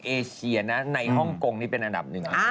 เอเชียนะในฮ่องกงนี่เป็นอันดับหนึ่ง